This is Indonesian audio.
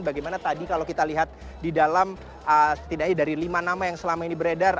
bagaimana tadi kalau kita lihat di dalam setidaknya dari lima nama yang selama ini beredar